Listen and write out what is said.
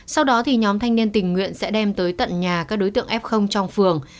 sau đó thì nhóm thanh niên tình nguyện sẽ đem tới tận nhà các đối tượng f trong phường